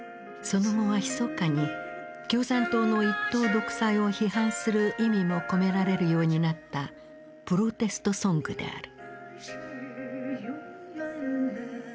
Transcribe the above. その後はひそかに共産党の一党独裁を批判する意味も込められるようになったプロテストソングである。